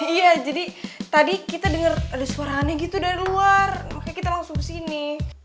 iya jadi tadi kita dengar ada suara aneh gitu dari luar makanya kita langsung ke sini